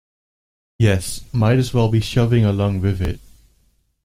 Yes, might as well be shoving along with it.